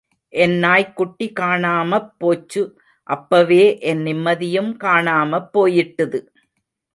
என் நாய்க்குட்டி காணாமப் போச்சு அப்பவே என் நிம்மதியும் காணாமப் போயிட்டுது.